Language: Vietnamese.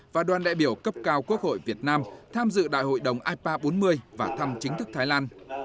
và đoàn đại biểu cấp cao quốc hội việt nam tham dự đại hội đồng ipa bốn mươi và thăm chính thức thái lan